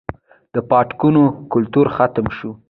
د پاټکونو کلتور ختم شوی